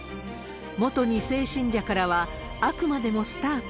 元２世信者からは、あくまでもスタート。